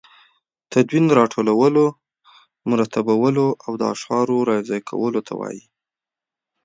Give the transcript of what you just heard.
تدوین راټولو، مرتبولو او د اشعارو رايو ځاى کولو ته وايي.